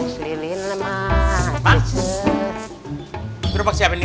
bang berubah siapa ini